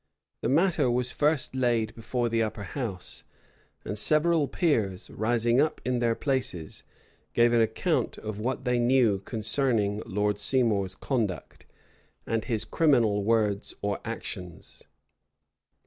The matter was first laid before the upper house; and several peers, rising up in their places, gave an account of what they knew concerning Lord Seymour's conduct, and his criminal words or actions.